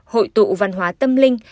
hội tụ văn hóa tâm linh